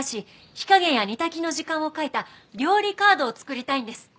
火加減や煮炊きの時間を書いた料理カードを作りたいんです。